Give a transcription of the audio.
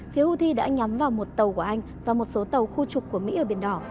phía houthi đã nhắm vào một tàu của anh và một số tàu khu trục của mỹ ở biển đỏ